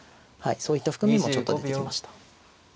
そういった含みもちょっと出てきました。